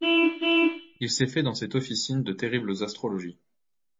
Il s’est fait dans cette officine de terribles astrologies.